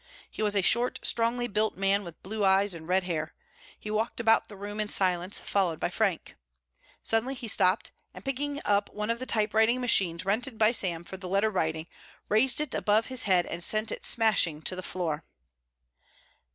He was a short, strongly built man with blue eyes and red hair. He walked about the room in silence, followed by Frank. Suddenly he stopped and, picking up one of the typewriting machines rented by Sam for the letter writing, raised it above his head and sent it smashing to the floor.